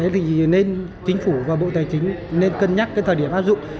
thì nên chính phủ và bộ tài chính nên cân nhắc cái thời điểm áp dụng